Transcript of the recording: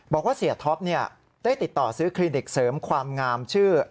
บอกว่าเสียท็อปได้ติดต่อซื้อคลินิกเสริมความงามชื่อ